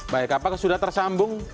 baik apakah sudah tersambung